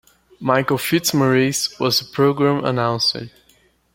Michael Fitzmaurice was the program's announcer.